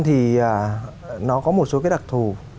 thì nó có một số cái đặc thù